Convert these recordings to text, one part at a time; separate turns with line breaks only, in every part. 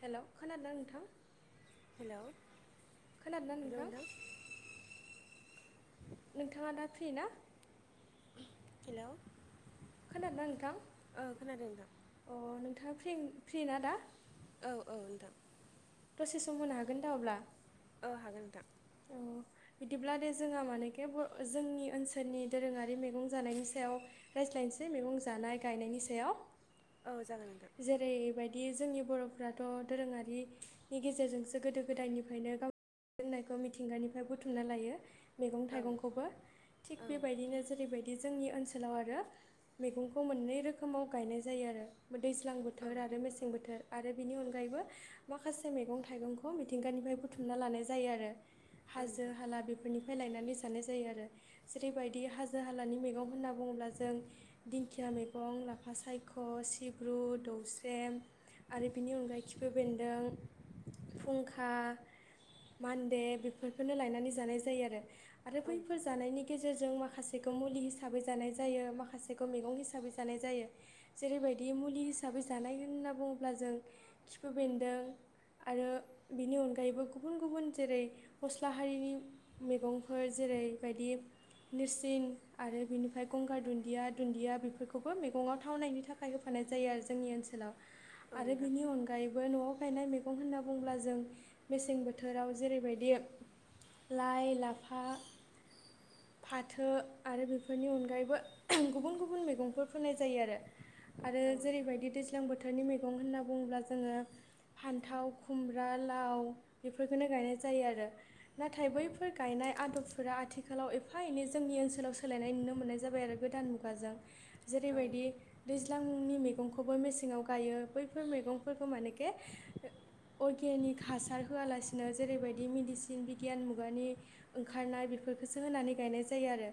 हेल' खोनादों ना नोंथां?
हेलौ
खोनादों ना नोंथां? नोंथाङा दा फ्रि ना?
हेल'?
खोनादोंना नोंथां?
ओ खोनादों नोंथां।
अ नोंथाङा फ्रि फ्रिना दा?
औ औ नोंथां।
दसे सम होनो हागोन दा अब्ला?
ओ हागोन नोंथां।
औ। अह बिदिब्ला दे जोंहा मानेखे ब जोंनि ओनसोलनि दोरोङारि मैगं जानायनि सायाव रायज्लायनोसै मैगं जानाय गायनायनि सायाव।
औ जागोन नोंथां
जेरैबाय दि जोंनि बर'फोराथ' दोरोङारिनि गेजेरजोंसो गोदो गोदायनिफायनो गाव होननायखौ मिथिंगानिफ्राय बुथुमना लायो। मैगं
औ
थाइगंखौबो। थिग
औ
बेबायदिनो जेरैबाय दि जोंनि ओनसोलाव आरो मैगंखौ मोननै रोखोमाव गायनाय जायो आरो। दैज्लां
औ
बोथोर आरो मेसें बोथोर। आरो बेनि अनगायैबो माखासे मैगं थाइगंखौ मिथिंगानिफ्राय बुथुमना लानाय जायो आरो। हाजो
नोंथां
हाला बेफोरनिफाय लायना नै जानाय जायो आरो। जेरैबायदि हाजो हालानि मैगं होनना बुङोब्ला जों दिंखिया मैगं गं, लाफा सायख', सिब ब्रु, दौस्रेम आरो बेनि खिफो बेन्दों, फुंखा, मान्दे बेफोरखोनो लायनानै जानाय जायो आरो। आरो
औ नोंथां औ
बैफोर
नोंथां
जानायनि गेजेरजों मा खासेखौ मुलि हिसाबै जानाय जायो, माखासेखौ मैगं हिसाबै जानाय जायो। जेरैबाय दि मुलि हिसाबै जानाय होनना बुङोब्ला जों खिफो बेन्दों, आरो बिनि अनगायैबो गुबुन गुबुन जेरै फस्ला हारिनि मैगंफोर जे रैबायदि नेरसिं आरो बिनिफ्राय गंगार दुन्दिया दुन्दिया बेफोरखौबो मैगङाव थावनायनि था खाय होफानाय जायो आरो जोंनि ओनसोलाव
औ नोंथां औ
आरो
नोंथां
बेनि अनगायैबो न'आव गायनाय मैगं होनना बुंङोब्ला जों मेसें बोथोराव जेरैबायदि लाइ, लाफा, फाथो आरो बेफोरनि अनगायैबो गुबुन गुबुन मैगंफोर फोनाय जायो आरो। आरो
औ नोंथां
जेरैबायदि दैज्लां बोथोरनि मैगं होनना बुङोब्ला जोङो फान्थाव, खुमब्रा, लाव बेफोरखोनो गायनाय जायो आरो नाथाय
औ
बैफोर
नोंथां
गायनाय आदबफोरा आथिखालाव एफा एनै जोंनि ओनसोलाव सोलायनाय नुनो मोननाय जाबाय आरो गोदान मुगाजों।
औ
जेरैबायदि दैज्ला ज्लांनि मैगंखौबो मेसेङाव गायो। बैफोर मैगंफोरखौ मानेखे अर्गेयानिक हासार होआलासिनो जेरैबायदि मेडिसिन बिगियान मुगानि ओंखारनाय बे फोरखोसो होनानै गायनाय जायो आरो।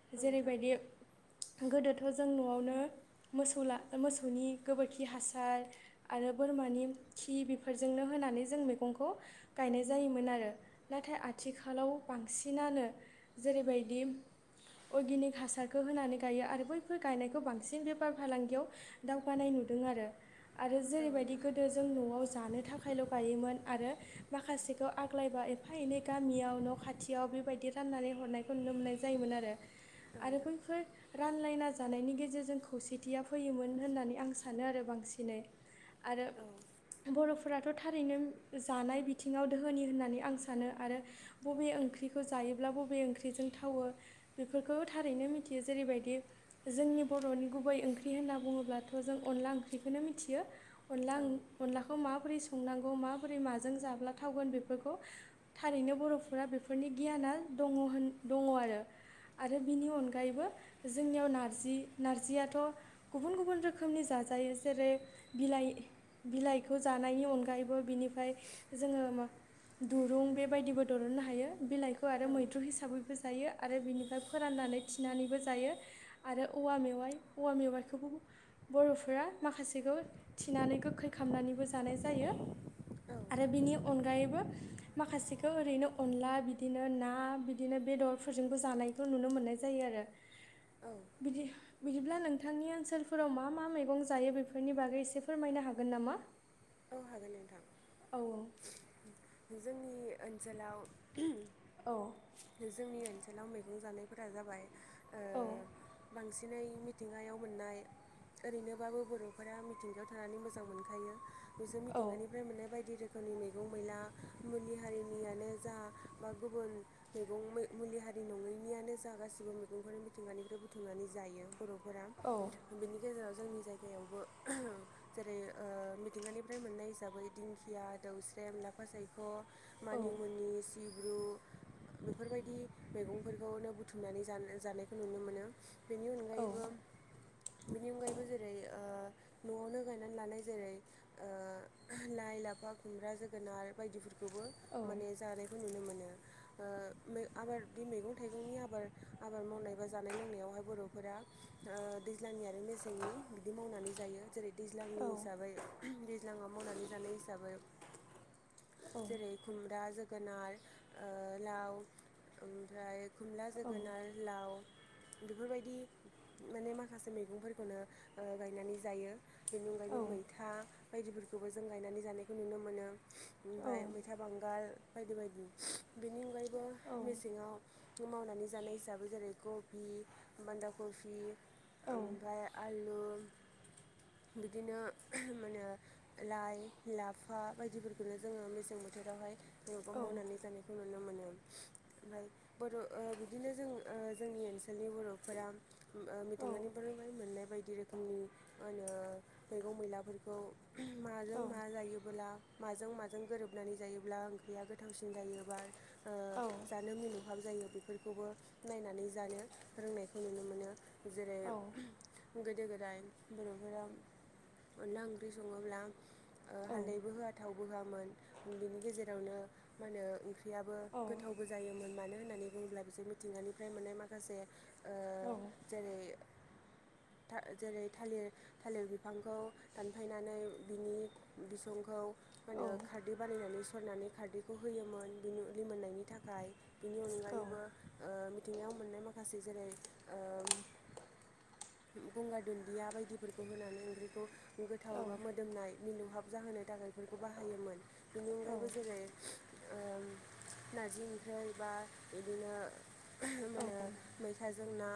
औ
जेरैबायदि गोदोथ' जों न'आवनो मोसौ ला मोसौनि गोबोरखि हासार आरो बोरमानि खि बेफोरजोंनो होना नानै जों मैगंखौ गायनाय जायोमोन आरो नाथाय आथिखालाव बांसिनानो जेरैबायदि अर्गेनिक हासारखो होनानै गायो आरो बैफोर गायनायखो बांसिन बे बेफार फालांगियाव दावगानाय नुदों आरो आरो जेरैबायदि गोदो जों न'आव जानो थाखायल' गायोमोन आरो माखासेखौ आग्लायबा एफा एनै गामियाव न' खाथियाव बेबायदि राननानै हरनायखौ नुनो मोननाय जायोमोन आरो। आरो बैफोर रानलायना जानायनि गेजेरजों खौसेथिया फैयोमोन होननानै आं सानो आरो बांसिनै आरो बर'फोराथ' थारैनो जानाय बिथिङाव दोहोनि होननानै आं सानो आरो बबे ओंख्रिखौ जायोब्ला बबे ओंख्रि जोंथावो बेफोरखौ थारैनो मिथियो। जेरै बायदि जोंनि बर'नि गुबै ओंख्रि होनना बुङोब्लाथ' जों अनला ओंख्रिखौनो मिथियो अनला अनलाखौ मा माबोरै संनांगौ माबोरै माजों जाब्लाथावगोन बेफोरखौ थारैनो बर'फोरा बेफोरनि गियान आ दङहोन दङ आरो आरो बिनि अनगायैबो जोंनियाव नारजि नारजियाथ' गुबन गुबुन रोखोमनि जाजायो जेरै बिलाइ -बिलाइखौ जानाय नि अनगायैबो बिनिफ्राय जोङो दुरुं बेबायदिबो दहुननो हायो बिलाइखौ आरो मैद्रु हिसाबैबो जायो आरो बिनिफ्राय फोराननानै थिनानैबो जायो आरो औवा मेवाइ औव मेवाइखौबो बर'फोरा माखासेखौ थिनानै गोखै खालामनानैबो जानाय जायो। यो आरो बिनि अनगायैबो माखासेखौ ओरैनो अनला बिदिनो ना बिदिनो बेदरफोरजोंबो जानायखौ नुनो मोननाय जायो आरो बिदि बिदिब्ला नोंथांनि ओनसोलफोराव मा -मा मैगं जायो बेफोरनि बागै एसे फोरमायनो हागोन नामा?
हागोन नोंथां
औ औ
जोंनि ओनसोलाव
औ
जोंनि ओ नसोलाव मैगं जानायफोरा जाबाय
औ
बांसिनै मिथिंगायाव मोननाय ओरैनोबाबो बर'फोरा मिथिंगायाव थानानै मोजां मोनखायो बिसोर
औ
मिथिंगानिफ्राय मोननाय बायदि रो फोरनि मैगं मैला मुलि हारिनियानो जा बा गुबुन मैगं मै मुलि हा हारि नङैनियानो जा गासिबो मैगंफोरनि मिथिंगानिफ्राय बुथुमनानै जायो। बर'फोरा
औ
बेनि गेजेराव जोंनि जायगायावबो जेरै ओ मिथिंगानि फ्राय मोननाय जाबाय दिंखिया दौस्रेम लाफा सायख'
औ
मानिमुनि सि ब्रु बेफोरबायदि मैगंफोरखौनो बुथुमनानै जानो जानायखौ नुनो मोनो। बेनि
औ
अनगायैबो बेनि अनगायैबो जेरै ओ न'आवनो गायनानै लानाय जेरै ओ लाइ- लाफा खुमब्रा जोगोनार बायदिफोरखौबो
औ
माने जानाय
[inaudible]
आबाद दि मैगं थाइंनि आबाद आबाद मावनाय बा जानाय लोंनायावहाय बर'फोरा दैज्लां आ आंनि आरो मेसेंनि बिदि मावनानै जायो जेरै
औ
दैज्लांनि हिसाबै दैज्लङाव मावनानै जानाय हिसाबै जेरै खुमब्रा जोगोनार ओ लाव ओमफ्राय खुमब्रा
औ
जोगोनार लाव बेफोरबायदि माने माखासे मैगंफोरखौनो ओ गायनानै जायो
औ
बेनिनगायबो मैथा बायदिफोरखौबो जों गायनानै जानायखौ नुनो मोनो
औ
ओमफ्राय मैथा बांगाल बायदि बायदि बेनि अनगायैबो मेसेङाव मावनानै जानाय हिसाबै जेरै कफि बान्दा कफि ओमफ्राय आलु बिदिनो उम मा होनो लाइ -लाफा बायदिफोरखौनो जोङो मेसें बोथोरावहाय [unintelligible] मावनानै जानायखौ नुनो मोनो। ओमफ्राय बर' ओ बिदिनो जों ओ जोंनि ओनसोलनि बर'फोरा ओ
औ
मिथिंगानिफ्राय मोननाय बायदि रोखोमनि मा होनो मैगं मैलाफोरखौ माजों मा जायोबोला माजों माजों गोरोबनानै जायोब्ला ओंख्रिया गोथावसिन जायोबा ओ जानो मिलौहाब जायो बेफोरखौबो नायनानै जानो रोंनायखौ नुनो मोनो। जेरै गोदो गोदाय बर'फोरा अनला ओंख्र सङोब्ला ओ हाल्दैबो होआ थावबो होआमोन बेनि गेजेरजों जेरावनो मा होनो ओंख्रियाबो गोथावबो जायोमोन मानो होननानै बुङोब्ला बिसोर मिथिंगानिफ्राय मोननाय माखासे ओ जेरै था जेरै थालिर थालिर बिफांखौ दान दानफायनानै बिनि बिसंखौ माहोनो खारदै बानायनानै स फोरनानै खारदैखौ होयोमोन बिनि लिमोननायनि थाखाय। बिनि अनगायैबो ओ मिथिंगायाव मोननाय माखासे जेरै ओ गंगार दुन्दिया बायदिफोरखौ होनानै ओंख्रिखौ गोथाव
औ
एबा मोदोमनाय मिलौहाब जाहोनो थाखाय बेफोरखौ बाहायोमोन बेनि
औ
अनगायैबो जेरै [unintelligible] ओम नारजि ओंख्रि बा बिदिनो [unintelligible] माहोनो मैथाजों ना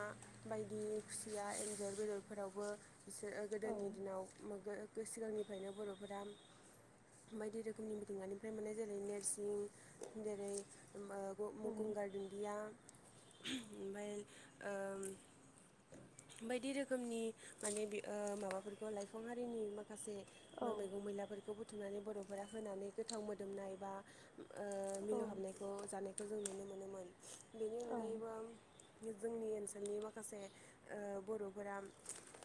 बायदि खुसिया एन्जर बेदरफोरावबो बिसोरो
औ
गोदोनि दिनाव [unintelligible] सिगांनिफ्रायनो बर'फोरा बायदि रोखोमनि मिथिंगानिफ्राय मोननाय जेरै नोरसिं जेरै ओ
औ
गंगार दुनदिया [unintelligible] ओम्फाय ओ बायदि रोखोमनि माने बि ओ माबाफोरखौ लाइफांआरि
[inaudible]
माखासे मैगं मैलाफोरखौ बुथुमनानै बर'फोरा होनानै गोथाव मोदोमनाय बा ओ
औ
मिलौहाबनायखौ जानायखौ जों नुनो मोनोमोन बे
औ
जोंनि ओनसोलनि माखासे ओ बर'फोरा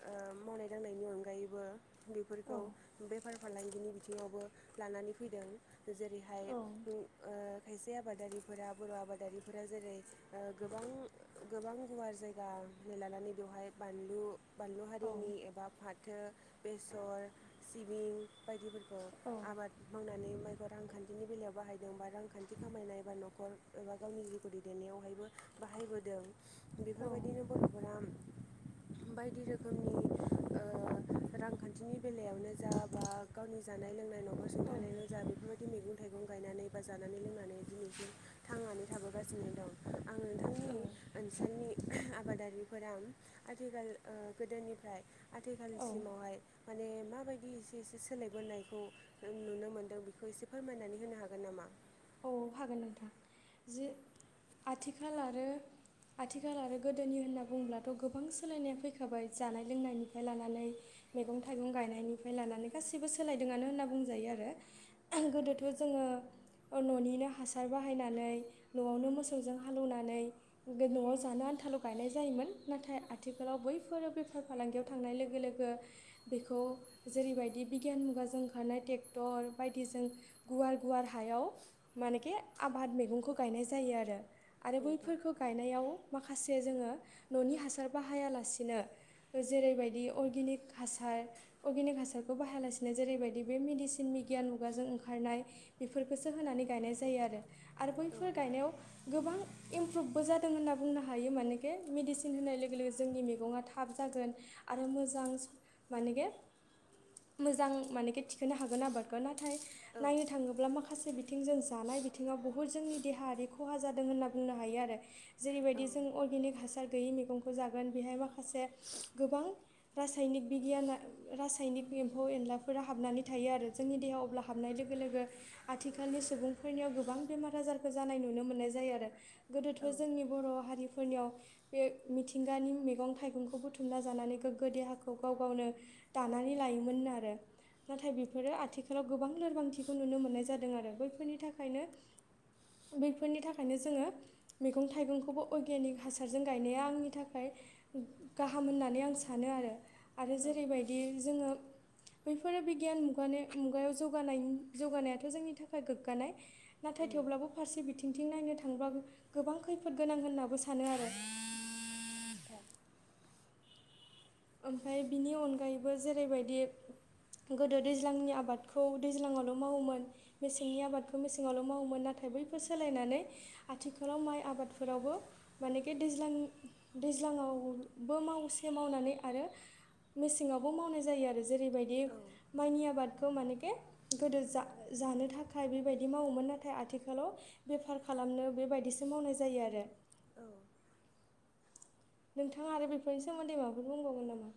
ओ मावनाय दांनायनि अनगायैबो
औ
बेफोरखौ बेफ बेफार फालांगिनि बिथिङावबो लानानै फैदों जेरैहाय उम ओ खायसे आबादा आबादारिफोरा बर' आबादारिफोरा जेरै ओ गोबां गोबां गुवार जायगा लानानै नै बेवहाय बानलु बानलु
औ
हारिनि एबा फाथो, बेसर, सिबिं बायदिफोर आबाद मावनानै माइ रांखान्थिनि बेलायाव बाहायदों बा रांखान्थि खामायनाय एबा न'खर एबा गावनि जिउखौ दैदेननायावहायबो बाहायबोदों। बेफोरबायदिनो बर'फोरा [inaudible] बायदि रोखोमनि ओ रांखान्थिनि बेलायावनो जा बा गावनि जानाय लोंनाय न'खर
औ
सुंथानायावनो जा बेफोर बि मैगं थाइगं गायनानै बा जानानै लोंनानै दिनैसिम थांनानै थाबोगासिनो दं। आं नोंथांनि ओनसोलनि [unintelligible] आबादारिफोरा आथिखाल ओ गोदोनिफ्राय
औ औ
आथिखालसिमावहाय माने माबायदि एसे एसे सोलायबोनायखौ नुनो मोन्दों बेखौ एसे फोरमायनानै होनो हागोन नामा?
औ हागोन नोंथां जे आथिखाल आरो आथिखाल आरो गोदोनि होनना बुंब्लाथ' गोबां सोलायनायानो फैखाबाय जानाय लोंनायनिफ्राय लानानै मैगं थाइगं गायनायनिफ्राय लानानै गासैबो सोलायदोंआनो होनना बुंजायो आरो [unintelligible] गोदोथ' जोङो ओ न'निनो हासार बाहायनानै न'आवनो मोसौजों हालौनानै बे न'आव जानो आन्थाल' ल' गायनाय जायोमोन नाथाय आथिखालाव बैफोर बेफार फालांगियाव थांनाय लोगो लोगो बेखौ जेरैबायदि बिगियान मुगाजों ओंखारनाय टेक्टर बायदिजों गुवार गुवार हायाव मानेके आबाद मैगंखौ गायनाय जायो आरो आरो
औ नोंथां
बैफोरखौ गायनायाव माखासे जोङो न'नि हासार बाहायालासिनो जेरैबायदि अर्गेनिक हासार अगेनिक हासारखौ बाहायालानो जेरैबायदि बे मेदिसिननि गियान मुगाजों ओंखारनाय बेफोरखौ सो होनानै गायनाय जायो आरो आरो
औ
बैफोर
नोंथां
गायनायाव गोबां इमप्रुभबो जादों होनना बुंनो हायो मानेखे मेडिसिन होनाय लोगो लोगो जोंनि मैगंआ थाब जागोन आरो मोजां मानेगे मोजां मानेखे थिखोनो हागोन आबादखौ नाथाय
औ
नायनो थाङोब्ला माखासे बिथिंजों जानाय बिथिङाव बुहुद जोंनि देहायारि खहा जादों होनना बुंनो हायो आरो
औ
जेरैबायदि जों अर्गेनिक हास गोयै मेगंखौ जागोन बेहाय माखासे गोबां रासायनिक बिगियाना रासायनि एम्फौ एनलाफोरा हाबनानै थायो आरो जोंनि देहायाव अब्ला हाबनाय लोगो लोगो आथिखालनि सुबुंफोरनियाव गोबां बेमार आजारखौ जानाय नुनो मोननाय जायो आरो। गोदोथ' जोंनि बर' हारि फोरनियाव बे मिथिंगानि मैगं थाइगंखौ बुथुमना जानानै गोग्गो देहाखौ गाव गावनो दानानै लायोमोन नो आरो नाथाय बेफोरो आथिखालाव गोबां लोरबांथिखौ नुनो मोननाय जा दों आरो बैफोरनि थाखायनो बैफोरनि थाखायनो जोङो मैगं थाइगंखौबो अर्गेनिक हासारजों गायनाया आंनि थाखाय गाहाम होननानै आं सानो आरो आरो जेरैबायदि जोङो बैफोरो बिगियान मुगानि मुगायाव जौगानाय जौगानायाथ' जोंनि थाखाय गोग्गानाय।
औ
नाथाय थेवब्लाबो फारसे बिथिंथिं नायनो थांब्ला गोबां खैफोद गोनां होननाबो सानो आरो।
[unintelligible]
ओमफ्राय बिनि अनगायैबो जेरैबायदि गोदो दैज्लांनि आबादखौ दैज्लाङावल' मावोमोन मेसेंनि आबादखौ मेसेङावल' मावोमोन नाथाय बैफोर सोलायनानै आथिखालाव माइ आबादफोरावबो माने बे दैज्लां दैज्लां आवबो मावसे मावनानै आरो मेसेंआवबो मावनाय जायो आरो जेरैबायदि
औ
माइनि आबाद बेखौ मानेखे गोदो जा- जानो थाखाय बेबायदि मावोमोन नाथाय आथिखालाव बेफार खा लामनो बेबायदिसो मावनाय जायो आरो। नोंथाङा आरो बेफोरनि सोमोन्दै माबाफोर बुंबावगोन नामा?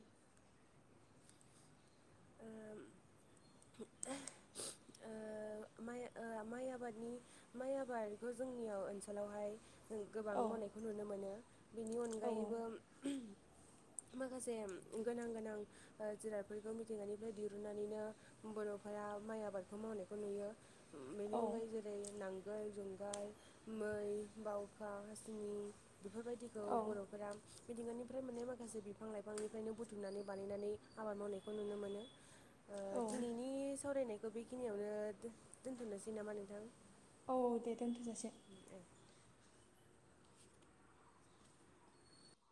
ओ [unintelligible] म माइ ओ माइ आबादनि माइ आबादखौ जोंनियाव ओनसोलावहाय गोबां
औ
मावनायखौ नुनो मोनो बेनि
औ
अनगायैबो
[inaudible]
माखासे गोनां गोनां ओ जुनादफोरखौ मिथिंगानिफ्राय दिरुननानैनो बर'फोरा माइ आबादखौ मावनायखौ नुयो
औ
बेनि अनगायै जेरै नांग गोर जुंगाल मै बावखा हासिनि बेफोरबायदिखौ
औ
बर'फोरा मिथिंगानिफ्राय मोननाय माखासे बिफां लाइफांनिफ्रायनो बुथुमनानै बानायनानै आबाद मावनायखौ नुनो मोनो। ओ
औ
दिनैनि सावरायनायखौ बेखिनियावनो दोन दोन्थ'नोसै नामा नोंथां?
औ औ दे दोनथ'जासेै।